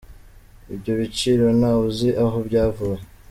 Ibyo by’ibiciro nta uzi aho byavuye.